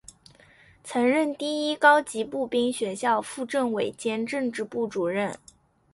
曾任第一高级步兵学校副政委兼政治部主任。